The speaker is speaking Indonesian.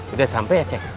udah sampe ya ceng